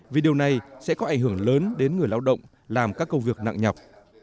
vì điều này sẽ có ảnh hưởng lớn đến người lao động làm các công việc nặng nhọc